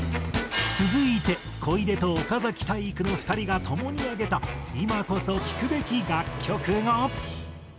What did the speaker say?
続いて小出と岡崎体育の２人が共に挙げた今こそ聴くべき楽曲が。